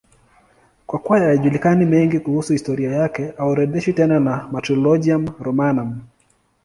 Kwa kuwa hayajulikani mengine kuhusu historia yake, haorodheshwi tena na Martyrologium Romanum.